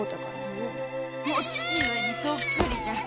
お父上にそっくりじゃ。